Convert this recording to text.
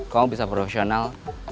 kamu bisa profesional